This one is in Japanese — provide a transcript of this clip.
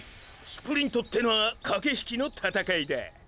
スプリントってのは駆け引きの闘いだ！